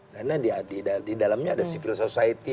karena di dalamnya ada civil society